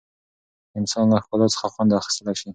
انسان له ښکلا څخه خوند اخیستلی شي.